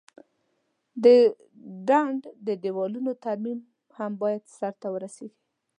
د ډنډ د دیوالونو ترمیم هم باید سرته ورسیږي.